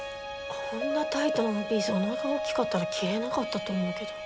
こんなタイトなワンピースおなかが大きかったら着れなかったと思うけど。